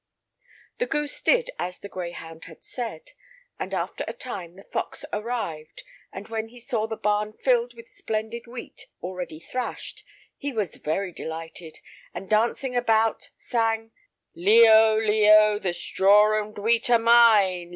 The goose did as the greyhound had said, and after a time the fox arrived, and when he saw the barn filled with splendid wheat already thrashed, he was very delighted, and, dancing about, sang: "Lió, lió, The straw and wheat are mine!